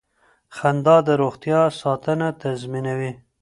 خندا د روغتیا ساتنه تضمینوي.